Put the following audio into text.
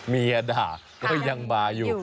เมียด่าก็ยังมาอยู่